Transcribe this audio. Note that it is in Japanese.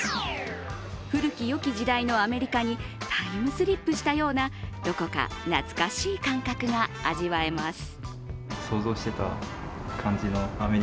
古きよき時代のアメリカにタイムスリップしたようなどこか懐かしい感覚が味わえます。